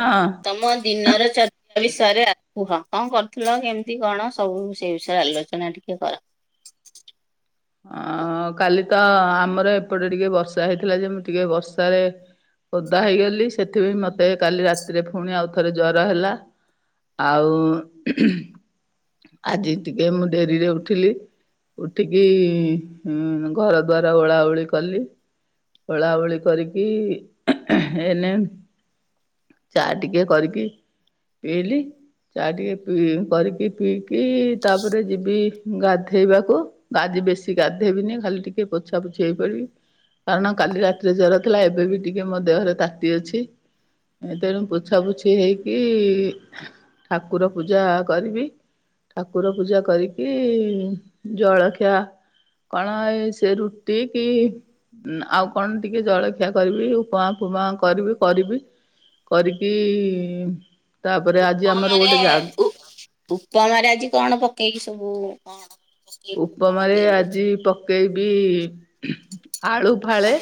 ହଁ। ତମ ଦିନରେ ଚା ସେ ବିଷୟରେ କୁହ କଣ କରୁଥିଲ କେମିତି କଣ ସବୁ ସେ ବିଷୟରେ ଆଲୋଚନା ଟିକେ କର? ଅ କାଲି ତ ଆମର ଏପଟେ ଟିକେ ବର୍ଷା ହେଇଥିଲା ଯେ ମୁଁ ଟିକେ ବର୍ଷାରେ ଓଦା ହେଇଗଲି ସେଥିପାଇଁ ମୋତେ କାଲି ରାତିରେ ପୁଣି ଆଉ ଥରେ ଜର ହେଲା। ଆଉ ଆଜି ଟିକେ ମୁଁ ଡେରିରେ ଉଠିଲି ଉଠିକି ହଁଁ ଘର ଦାରା ଓଳା ଓଳି କଲି। ଓଳାଓଳି କରିକି ଏନେ ଚା ଟିକେ କରିକି ପିଇଲି। ଚା ଟିକେ କରିକି ପିଇକି ତାପରେ ଯିବି ଗାଧୋଇବାକୁ। ଆଜି ବେଶୀ ଗାଧେଇବିନି ଖାଲି ଟିକେ ପୋଛା ପୋଛି ହେଇ ପଡିବି। କାରଣ କାଲି ରାତିରେ ଜର ଥିଲା ଏବେ ବି ଟିକେ ମୋ ଦେହରେ ତାତି ଅଛି। ଏ ତେଣୁ ପୋଛାପୋଛି ହେଇକି ଠାକୁର ପୂଜା କରିବି। ଠାକୁର ପୂଜା କରିକି ଜଳଖିଆ କଣ ଏ ସେ ରୁଟି କି ଆଉ କଣ ଟିକେ ଜଳଖିଆ କରିବି ଉପମା ଫୁମା କରିବି କରିବି। କରିକି ତାପରେ ଆଜି ଆମର ଉପମାରେ ଗୋଟେ ଜା ଉପମାରେ ଆଜି କଣ ପକେଇକି ସବୁ କଣ ପକେଇକି ଉପମା ଉପମାରେ ତିଆରି କରିଚ? ଆଜି ପକେଇବି ଆଳୁ ଫାଳେ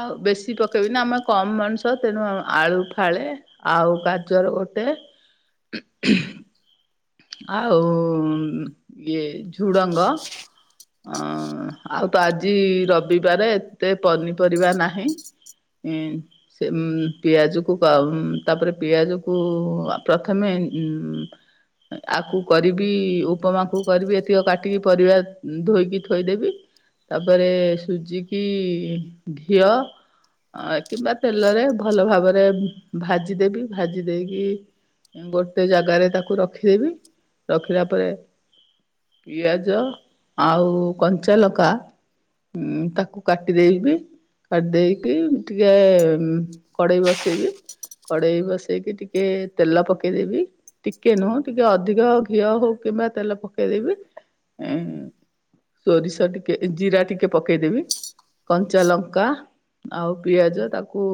ଆଉ ବେଶୀ ପକେଇବିନି ଆମେ କମ ମଣିଷ ତେଣୁ ଆଳୁ ଫାଳେ ଆଉ ଗାଜର ଗୋଟେ [inaudible] ଆଉ ଇଏ ଝୁଡ଼ଙ୍ଗ ହଁ ଆଉ ତ ଆଜି ରବିବାର ଏତେ ପନିପରିବା ନାହିଁ। ହୁଁ। ସେ ଉମ ପିଆଜକୁ କ ତାପରେ ପିଆଜକୁ ଅ ପ୍ରଥମେ ଉମ ଆକୁ କରିବି ଉପମାକୁ କରିବି ଏତିକ କାଟିକି ପରିବା ଧୋଇକି ଥୋଇଦେବି। ତାପରେ ସୁଜିକି ଘିଅ ଅ କିମ୍ବା ତେଲରେ ଭଲ ଭାବରେ ଭାଜିଦେବି ଭାଜି ଦେଇକି ଗୋଟେ ଜାଗାରେ ତାକୁ ରଖିଦେବି। ରଖିଲା ପରେ ପିଆଜ ଆଉ କଞ୍ଚା ଲଙ୍କା ହୁଁ ତାକୁ କାଟିଦେଇବି। କାଟି ଦେଇକି ଟିକେ କଡ଼େଇ ବସେଇବି। କଡେଇ ବସେଇକି ଟିକେ ତେଲ ପକେଇଦେବି। ଟିକେ ନୁହଁ ଟିକେ ଅଧିକ ଘିଅ ହଉ କିମ୍ବା ତେଲ ପକେଇଦେବି। ସୋରିଷ ଟିକେ ଜିରା ଟିକେ ପକେଇଦେବି କଞ୍ଚା ଲଙ୍କା। ଆଉ ପିଆଜ ତାକୁ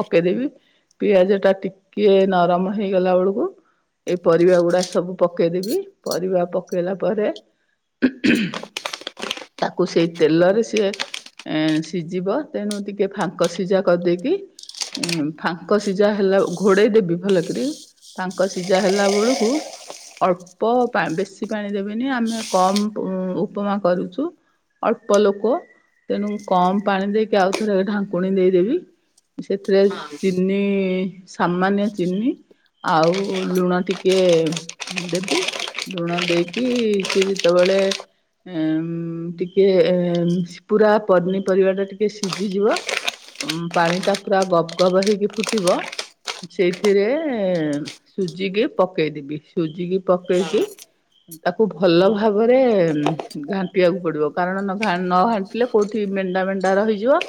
ପକେଇଦେବି ପିଆଜ ଟା ଟିକିଏ ନରମ ହେଇଗଲା ବେଳକୁ ଏଇ ପରିବା ଗୁଡା ସବୁ ପକେଇଦେବି ପରିବା ପ ପକେଇଲା ପରେ ତାକୁ ସେଇ ତେଲରେ ସିଏ ସିଝିବ ତେଣୁ ଟିକେ ଫାଙ୍କ ସିଝା କରିଦେଇକି ଉଁ ଫାଙ୍କ ସିଝା ହେଲା ଘୋଡେଇ ଦେବି ଭଲକିରି। ଫାଙ୍କ ସିଝା ହେଲା ବେଳକୁ ଅଳ୍ପ ପା ବେଶୀ କି ପାଣି ଦେବେନି ଆମେ କମ ଉପମା କରୁଛୁ। ଅଳ୍ପ ଲୋକ ତେଣୁ କମ ପାଣି ଦେଇକି ଆଉଥରେ ଢାଙ୍କୁଣୀ ଦେଇଦେବି ସେଥିରେ ହଁ ଚିନି ସାମାନ୍ୟ ଚିନି ଆଉ ଲୁଣ ଟିକେ ଦେବି ଲୁଣ ଦେଇକି ସିଏ ଯେତେବେଳେ ଉ ଟିକେ ପୁରା ପନିପରିବା ଟା ଟିକେ ସିଝିଯିବ ଉ ପାଣି ଟା ପୁରା ଗବ ଗବ ହେଇକି ଫୁଟିବ। ସେଇଥିରେ ସୁଜିକି ପକେଇଦେବି ସୁଜିକି ହଁ ପକେଇକି ତାକୁ ଭଲ ଭାବରେ ଘାଣ୍ଟିବାକୁ ପଡିବ କାରଣ ନ ଘା ହେଲେ କୋଉଠି ମେଣ୍ଡା ମେଣ୍ଡା ରହିଯିବ।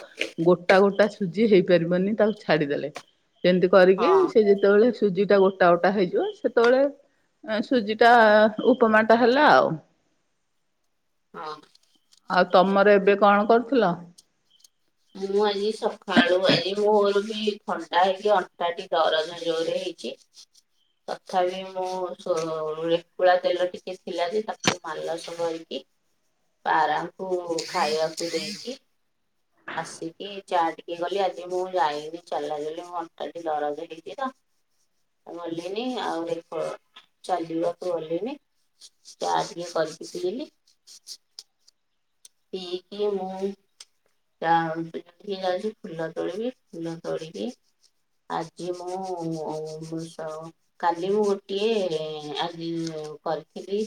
ଗୋଟା ଗୋଟା ସୁଜି ହେଇପାରିବନି ତାକୁ ଛାଡିଦେଲେ ଯେମିତି କରିକି ହଁ ସେ ଯେତେବେଳେ ସୁଜି ଟା ଗୋଟା ଗଟା ହେଇଯିବ ସେତେବେଳେ ସୁଜି ଟା ଉପମାଟ ହେଲା ଆଉ। ହଁ। ଆଉ ତମର ଏବେ କଣ କରୁଥିଲ? ମୁଁ ଆଜି ସକାଳୁ ଆଜି ମୋର ବି ଥଣ୍ଡା ହେଇକି ଅଣ୍ଟାଟି ଦରଜ ଜୋରରେ ହେଇକି ତଥାପି ମୁଁ ରେକୁଳା ତେଲ ଟିକେ ଥିଲା ଯେ ତାକୁ ମାଲସ କରିକି ପାରାଙ୍କୁ ଖାଇବାକୁ ଦେଇକି ଆସିକି ଚାହା ଟିକେ ଗଲି ଆଜି ମୁଁ ଯାଇକି ଚାଲା ଦେଲି ମୁଁ ଅଣ୍ଟାଠ ଦରଜ ହେଇଛି ତ ଗଲିନି ଆଉ ଦେଖ ଚାଲିବାକୁ ଗଲିଣିି ଚାଆ ଟିକେ କରିବି ପିଇଲି। ଇ କିଏ ମୁଁ ଯା ଟିକେ ଯାଉଛି ଫୁଲ ତୋଳିବି ଫୁଲ ତୋଳିକି ଆଜି ମୁଁ ବୃକ୍ଷବ କାଲି ମୁଁ ଗୋଟିଏ ଆଜି କରିଥିଲି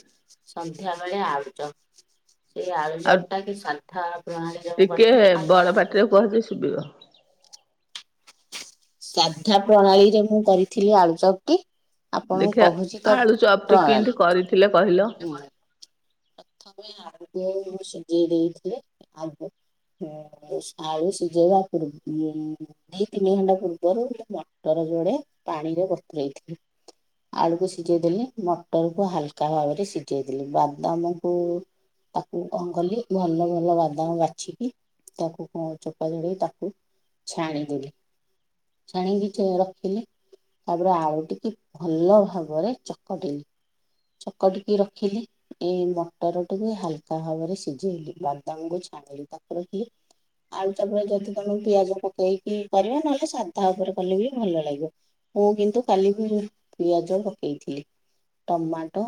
ସନ୍ଧ୍ୟା ବେଳେ ଆଳୁଜ ସେଇ ଏ ଆଳୁ ଆଉ ଚତ ଟା ସାଦ୍ଧା ପ୍ରଣାଳୀ ମୁଁ ଟିକେ କରିଥିଲି ବଡ ପାଟିରେ ଆପଣ କୁହ ଯେ ଶୁଭିବ ସାଧା ପ୍ରଣାଳୀରେ ମୁଁ କରିଥିଲି ଆଳୁ ଚର୍ଟି ଆପଣଙ୍କୁ ଦେଖିଆ କହୁଛି ତା ଆଳୁ ଚପ୍ ଟି କେମିତି କରିଥିଲେ କହିଲ? ପ୍ରଣାଳୀ ପ୍ରଥମେ ଆଳୁ ସିଝେଇ ଦେଇଥିବେ ଆଳୁକୁ ହଆଳୁ ସିଝେଇବା ପୂର୍ବ ଉ ଦି ତିନି ଘଣ୍ଟା ପୂର୍ବରୁ ମଟର ଯୋଡେ ପାଣିରେ ବତୁରେଇଥିଲି ଆଳୁକୁ ସିଝେଇ ଦେଲି ମଟର କୁ ହାଲକା ଭାବରେ ସିଝେଇ ଦେଲି ବାଦାମକୁ ତାକୁ କଅଁ ଉଲ ଭଲ ବାଦାମ ବାଛିକି ତାକୁ କଣ ଚୋପା ଛଡେଇ ତାକୁ ଛାଣିଦେଲି ଛାଣିକି ରଖିଥିଲି ତାପରେ ଆଳୁ ଟିକେ ଭଲ ଭାବରେ ଚକଟିଲି ଚକଟିକି ରଖିଲି ଏ ମଟର ଟାକୁ ହାଲକା ଭାବରେ ସିଝେଇଲି ବାଦାମକୁ ଛାଣିଲି ତାକୁ ରଖିଲି ଆଳୁ ତାପରେ ଯଦି ତମେ ପିଆଜ ପକେଇକି କରିବା ନହେଲେ ସାଧା ଉପରେ କଲେ ବି ଭଲ ଲାଗିବ। ମୁଁ କିନ୍ତୁ କାଲି ବି ପିଆଜ ପକେଇଥିଲି। ଟମାଟୋ,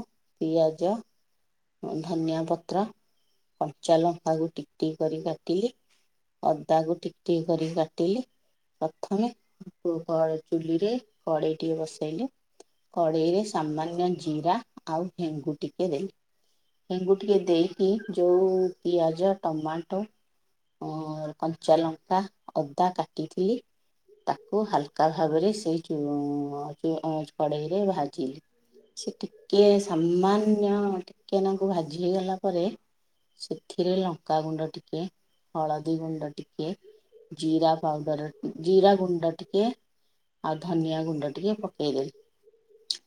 ପିଆଜ ଧନିଆ ପତ୍ର, କଞ୍ଚା ଲଙ୍କା କୁ ଟିକିଟିକି କରିକି କାଟିଲି ଅଦା କୁ ଟିକିଟିକି କରିକି କାଟିଲି ପ୍ରଥମେ ଚୁଲିରେ କଡ଼େଇ ଟିକେ ବସେଇଲି କଡେଇରେ ସାମାନ୍ୟ ଜିରା ଆଉ ହେଙ୍ଗୁ ଟିକେ ଦେଲି। ହିଙ୍ଗୁ ଟିକେ ଦେଇକି ଯୋଉ ପିଆଜ, ଟମାଟୋ ଓ କଞ୍ଚା ଲଙ୍କା ଅଦା କାଟିଥିଲି ତାକୁ ହାଲକା ଭାବରେ ସେଇ କଡେଇରେ ଭାଜିଲି ସେ ଟିକେ ସାମାନ୍ୟ ଟିକେ ନାକୁ ଭାଜି ହେଇଗଲା ପରେ ସେଥିରେ ଲଙ୍କାଗୁଣ୍ଡ ଟିକେ ହଳଦୀ ଗୁଣ୍ଡ ଟିକେ ଜିରା ପାଉଡର ଜିରା ଗୁଣ୍ଡ ଟିକେ ଆଉ ଧନିଆ ଗୁଣ୍ଡ ଟିକେ ପକେଇଦେଲି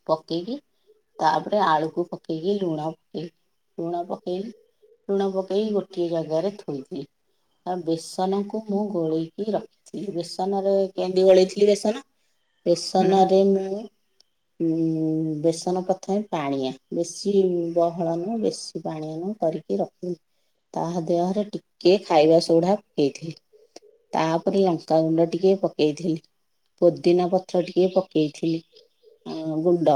ପକେଇକି ତାପରେ ଆଳୁକୁ ପକେଇକି ଲୁଣ ଲୁଣ ପକେଇଲି ଲୁଣ ପକେଇ ଗୋଟିଏ ଜାଗାରେ ଥୋଇଦିଏ। ଆ ବେସନକୁ ମୁଁ ଗୋଳେଇକି ରଖି ଥିଲି ବେସନରେ କେନ୍ଦ ଗଳେଇଥିଲି ବେସନ ହୁଁ ବେସନ ରେ ମୁଁ ଉଁ ବେସନ ପ୍ରଥମେ ପାଣିଆ ବେଶି ଫଳନ ବେଶୀ ପଣିଆ ନୁହଁ କରିକି ରଖିଲି। ତା ଦେହରେ ଟିକେ ଖାଇବା ସୋଢା ପକେଇଥିଲି ତାପରେ ଲଙ୍କାଗୁଣ୍ଡ ଟିକେ ପକେଇଥିଲି ପୋଦିନା ପତ୍ର ଟିକେ ପକେଇଥିଲି ଆଉ ଗୁଣ୍ଡ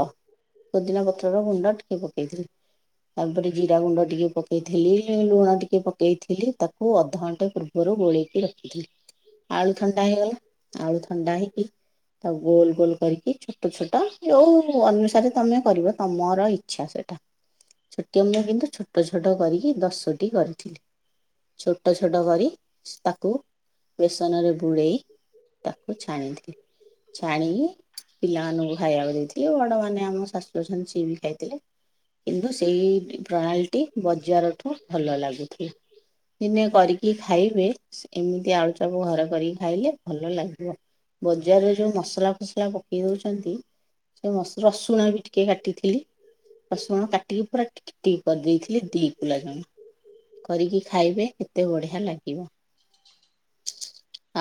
ପୋଦିନା ପତ୍ରର ଗୁଣ୍ଡ ଟିକେ ପକେଇଥିଲି ତାପରେ ଜିରା ଗୁଣ୍ଡ ଟିକେ ପକେଇଥିଲି ଲୁଣ ଟିକେ ପକେଇଥିଲି ତାକୁ ଅଧଘଣ୍ଟା ପୂର୍ବ ଘରୁ ଗୋଳେଇକି ରଖିଥିଲି ଆଳୁ ଥଣ୍ଡା ହେଇଗଲା ଆଳୁ ଥଣ୍ଡା ହେଇକି ତାଉ ଗୋଲ ଗୋଲ କରିକି ଛୋଟ ଛୋଟ ଯୋଉ ଅନୁସାରେ ତମେ କରିବ ତମର ଇଚ୍ଛା ସେଇଟା ଛୋଟିଆ ମୁଁ କିନ୍ତୁ ଛୋଟ ଛୋଟ କରିକି ଦଶଟି କରିଥିଲି ଛୋଟ ଛୋଟ କରି ତାକୁ ବେସନରେ ବୁଡ଼େଇ ତାକୁ ଛାଣିଥିଲି। ଛାଣିକି ପିଲାମାନଙ୍କୁ ଖାଇବାକୁ ଦେଇଥିଲି ବଡ ମାନେ ଆମ ଶାଶୁ ଅଛନ୍ତି ସିଏ ବି ଖାଇଥିଲେ। କିନ୍ତୁ ସେଇ ପ୍ରଣାଳୀଟି ବଜାରଠୁ ଭଲ ଲାଗୁଥିଲା। ଦିନେ କରିକି ଖାଇବେ ଏମିତି ଆଳୁଚପ ଘରେ କରିକି ଖାଇଲେ ଭଲ ଲାଗିବ। ବଜାରରେ ଯୋଉ ମସଲା ଫସଲା ପକେଇ ଦଉଛନ୍ତି ସେ ମସ-ରସୁଣ ବି ଟିକେ କାଟିଥିଲି ରସୁଣ କାଟି ଟି ପୁରା ଟିକ ଟିକି କରିଦେଇଥିଲି ଦି କୁଲା ଜମା କରିକି ଖାଇବେ କେତେ ବଢିଆ ଲାଗିବ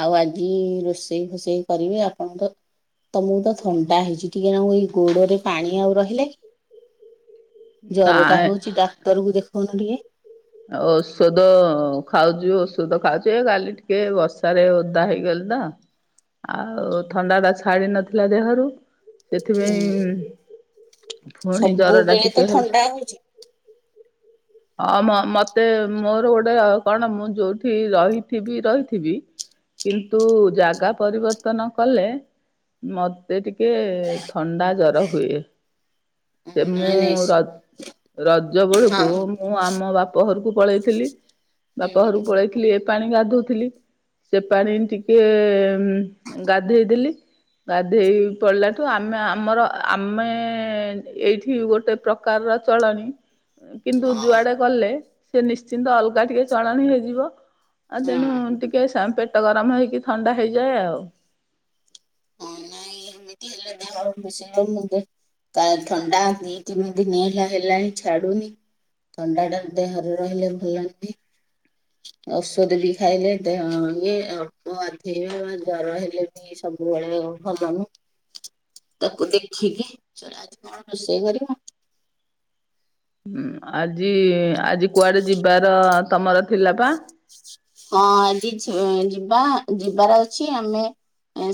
ଆଉ ଆଜି ରୋଷେଇ ଫୋଷେଇ କରିବେ ଆପଣଙ୍କ ତମକୁ ତ ଥଣ୍ଡା ହେଇଛି ଟିକେ ନାଁକୁ ଏଇ ଗୋଡରେ ପାଣି ଆଉ ରହିଲେ ଜର ଟା ନାଇଁ ହଉଛି ଡାକ୍ତର କୁ ଦେଖଉନ ଟିକେ? ଓଷଧ ଖାଉଛୁ ଓଷଧ ଖାଉଛୁ ଏ କାଲି ଟିକେ ବର୍ଷାରେ ଓଦା ହେଇଗଲି ତ ଆଉ ଥଣ୍ଡା ଟା ଛାଡି ନଥିଲା ଦେହରୁ ହୁଁ ସେଥିପାଇଁ ପୁଣି ଜର ଟା ଟିକେ ହେଲା। ଟା ହେଇଚି ଅ-ମ ମତେ ମୋର ଗୋଟେ କଣ ମୁଁ ଯୋଉଠି ରହିଥିବି ରହିଥିବି କିନ୍ତୁ ଜାଗା ପରିବର୍ତ୍ତନ କଲେ? ମତେ ଟିକେ ଥଣ୍ଡା ଜର ହୁଏ ସେ ମୁଁ ନାଇଁ ନାଇଁ ସେ ର ରଜ ବଳକୁ ହଁ ମୁଁ ଆମ ବାପ ଘରକୁ ପଳେଇଥିଲି ବାପ ହୁଁ ଘରକୁ ପଳେଇଥିଲି ଏ ପାଣି ଗାଧଉଥିଲି। ସେ ପାଣି ଟିକେ ଉଁ ଗାଧେଇ ଦେଲି। ଗାଧେଇ ପଲାଠୁ ଆମେ ଆମର ଆମେ ଏଇଠି ଗୋଟେ ପ୍ର କାରର ଚଳଣି କିନ୍ତୁ ହଁ ଯୁଆଡେ ଗଲେ ସେ ନିଶ୍ଚିନ୍ତ ଅଲଗା ଟିକେ ଚଳଣି ହେଇଯିବ। ଆଉ ତେଣୁ ହଁ। ଟିକେ ସା ପେଟ ଗରମ ହେଇକି ଥଣ୍ଡା ହେଇଯାଏ ଆଉ। ଟିକେ ଏ [inaudible] ବେଶୀ ହେଇଯାଏ। ତା ଥଣ୍ଡା ଦି ତିନି ଦିନି ହେଲା ହେଲାଣି ଛାଡୁନି। ଥଣ୍ଡା ଟା ଦେହରେ ରହିଲେ ଭଲ ନୁହେଁ। ଔଷଧ ବି ଖାଇଲେ ଦେହ ଇଏ ଅଳ୍ପ ଗାଧେଇବେ ବା ଜର ହେଲେ ବି ଏ ସବୁବେଳେ ଭଲ ନୁ। ତାକୁ ଦେଖିକି ଛାଡ ଆଜି କଣ ରୋଷେଇ କରିବ? ହୁଁ ଆଜି ଆଜି କୁଆଡେ ଯିବାର ତମର ଥିଲା ପା? ହଁ ଆଜି [inaudible] ଯିବା ଯିବାର ଅଛି ଆମେ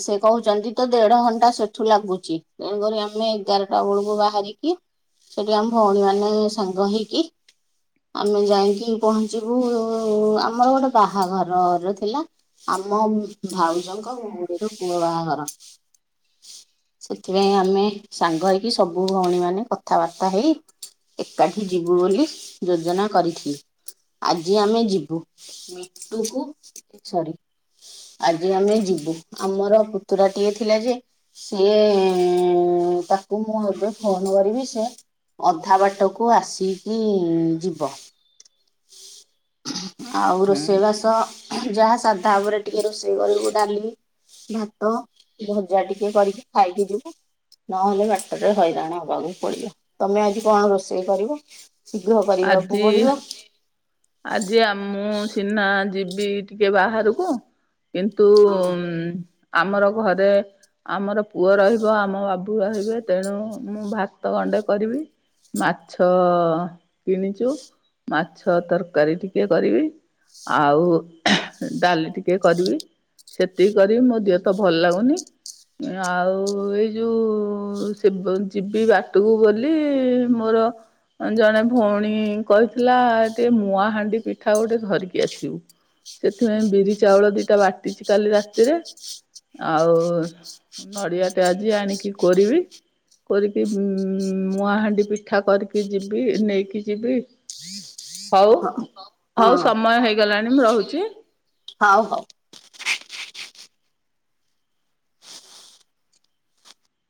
ସେ କହୁଚନ୍ତି ତ ଦେଢ ଘଣ୍ଟା ସେଠୁ ଲାଗୁଚି ତେଣୁକରି ଆମେ ଏଗାରଟା ବେଳକୁ ବାହାରିକି ସେଠି ଆ ଭଉଣୀ ମାନେ ସାଙ୍ଗ ହେଇକି ଆମେ ଯାଇକି ପହଞ୍ଚିବୁ ଉ ଆମର ଗୋଟେ ବାହାଘରର ଥିଲା। ଆମ ଭାଉଜଙ୍କ ଭଉଣୀର ପୁଅ ବାହାଘର। ସେଥିପାଇଁ ଆମେ ସାଙ୍ଗ ହେଇକି ସବୁ ଭଉଣୀ ମାନେ କଥାବାର୍ତ୍ତା ହେଇ ଏକାଠି ଯିବୁ ବୋଲି ଯୋଜନା କରିଥି। ଆଜି ଆମେ ଯିବୁ ମିଟୁ କୁ ସରି। ଆଜି ଆମେ ଯିବୁ ଆମର ପୁତୁରା ଟିଏ ଥିଲା ଯେ ସିଏ ଏଁ ତାକୁ ମୁଁ ଏବେ ଫୋନ କରିବି ସେ ଅଧା ବାଟକୁ ଆସିକି ଯିବ। [inaudible] ଆଉ ରୋଷ ହୁଁ ରୋଷେଇବାସ ଯାହା ସାଧା ଉପରେ ଟିକେ ରୋଷେଇ କରିବୁ ଡାଲି। ଭାତ ଭଜା ଟିକେ କରିକି ଖାଇକି ଯିବୁ। ନହେଲେ ବାଟରରେ ହଇରାଣ ହବାକୁ ପଡିବ ତମେ ଆଜି କଣ ରୋଷେଇ କରିବ? ଶୀଘ୍ର କରିବାକୁ ଆଜି ପଡିବ। ଆଜି ଆମ ମୁଁ ସିହ୍ନା ଯିବି ଟିକେ ବାହାରକୁ। କିନ୍ତୁ ହଁ ଆମର ଘରେ ଆମର ପୁଅ ରହିବ ଆମ ବାବୁ ରହିବେ ତେଣୁ ମୁଁ ଭାତ ଗଣ୍ଡେ କରିବି। ମାଛ କିଣିଚୁ ମାଛ ତର୍ ତରକାରୀ ଟିକେ କରିବି ଆଉ ଡାଲି ଟିକେ କରିବି। ସେତିକି କରିବି ମୋ ଦେହ ତ ଭଲ ଲାଗୁନି। ଆଉ ଏଇ ଯୋଉ ସେ ବ ଯିବି ବାଟକୁ ବୋଲି ମୋର ଜଣେ ଭଉଣୀ କହିଥିଲା ଟିକେ ମୁୂଆଁହାଣ୍ଡି ପିଠା ଗୋଟେ ଧରିକି ଆସିବୁ। ସେଥିପାଇଁ ବିରି ଚାଉଳ ଦିଟା ବାଟିଛି କାଲି ରାତିରେ ଆଉ ନଡ଼ିଆ ଟେ ଆଜି ଆଣିକି କୋରିବି। କୋରିକି ଉ ମୁଆଁହାଣ୍ଡି ପିଠା କରିକି ଯିବି ନେଇକି ଯିବି। ହଉ ହଁ। ହଉ ସମୟ ହେଇଗଲାଣି ମୁଁ ରହୁଛି ହଉ ହଉ।